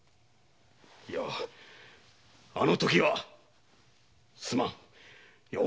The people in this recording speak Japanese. いゃあの時はすまん。